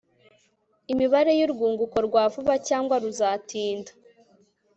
imibare y'urwunguko rwa vuba cyangwa ruzatinda